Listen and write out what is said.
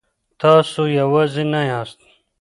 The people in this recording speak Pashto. تاسو يوازي نه ياست.